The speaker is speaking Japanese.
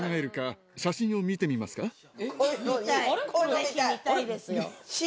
ぜひ見たいですよ。